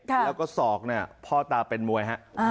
แล้วก็ศอกพ่อตาเป็นมวย